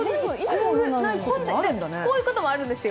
こういうこともあるんですよ。